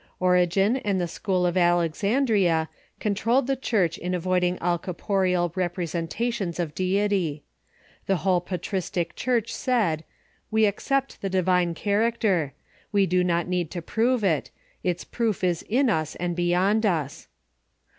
Origen and the school of Alexandria controlled the Church in avoiding all corporeal representations of deity. The whole patristic Church said, "We accept the divine character. We do not need to prove it. Its proof is in us and beyond us."